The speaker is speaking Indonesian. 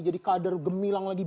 jadi kader gemilang lagi